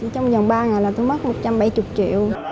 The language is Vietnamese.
trong vòng ba ngày là tôi mất một trăm bảy mươi triệu